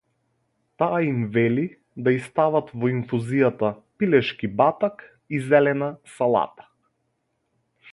Таа им вели да ѝ стават во инфузијата пилешки батак и зелена салата.